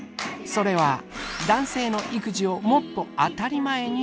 それは男性の育児をもっと当たり前にしていくこと。